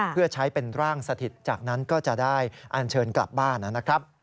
เพื่อใช้เป็นร่างสถิตจากนั้นก็จะได้อันเชิญกลับบ้านนะครับ